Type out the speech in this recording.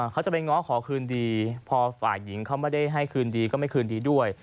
เขาจะไปง้อขอคืนดีพอฝ่ายหญิงเขาไม่ได้ให้คืนดีก็ไม่คืนดีด้วย